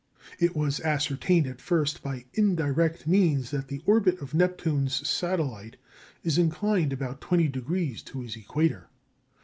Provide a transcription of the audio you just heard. It was ascertained at first by indirect means that the orbit of Neptune's satellite is inclined about 20° to his equator.